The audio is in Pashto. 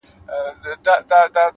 خپل قوت د خیر لپاره وکاروئ؛